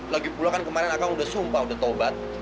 lagipula kan kemarin akang udah sumpah udah tobat